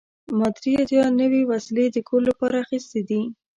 ما درې اتیا نوې وسیلې د کور لپاره اخیستې دي.